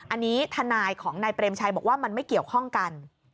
อันนี้ทนายของนายเปรมชัยบอกว่ามันไม่เกี่ยวข้องกัน